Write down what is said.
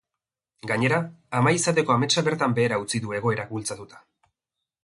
Gainera, ama izateko ametsa bertan behera utzi du egoerak bultzatuta.